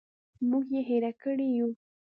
موږ یې هېر کړي یوو.